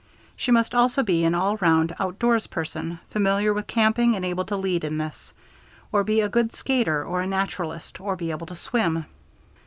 She must also be an all round outdoors person, familiar with camping and able to lead in this, or be a good skater or a naturalist or be able to swim.